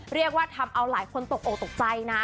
เรียกว่าทำเอาหลายคนตกออกตกใจนะ